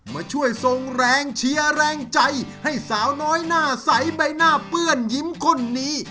มาช่วยส่งแรงเชียร์แรงใจให้สาวน้อยหน้าใสใบหน้าเปื้อนยิ้มคนนี้